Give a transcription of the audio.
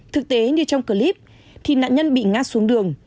thực tế như trong clip thì nạn nhân bị ngã xuống đường